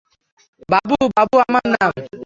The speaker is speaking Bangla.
বাবু, বাবু আমার নাম?